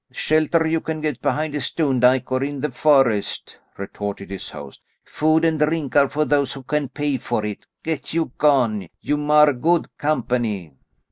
"Shelter you can get behind a stone dyke or in the forest," retorted his host; "food and drink are for those who can pay for it. Get you gone! You mar good company."